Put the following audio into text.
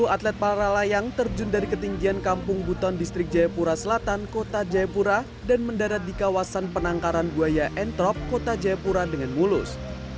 dua puluh atlet para layang terjun dari ketinggian kampung buton distrik jayapura selatan kota jayapura dan mendarat di kawasan penangkaran buaya entrop kota jayapura dengan mulus